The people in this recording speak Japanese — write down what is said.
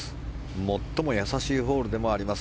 最も易しいホールでもあります